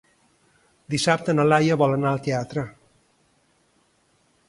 Dissabte na Laia vol anar al teatre.